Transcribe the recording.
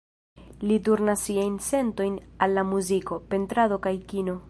Li turnas siajn sentojn al la muziko, pentrado kaj kino.